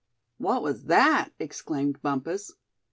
"What was that?" exclaimed Bumpus.